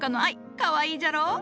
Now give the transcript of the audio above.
かわいいじゃろう。